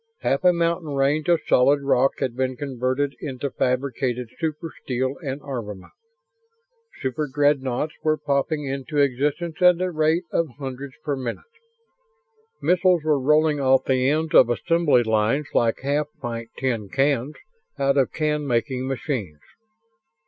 Half a mountain range of solid rock had been converted into fabricated super steel and armament. Superdreadnoughts Were popping into existence at the rate of hundreds per minute. Missiles were rolling off the ends of assembly lines like half pint tin cans out of can making machines.